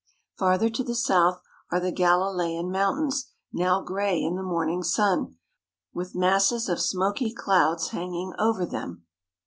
Farther to the south are the Galilean mountains, now gray in the morning sun, with masses of smoky clouds hanging over them.